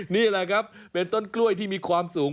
นี่แหละครับเป็นต้นกล้วยที่มีความสูง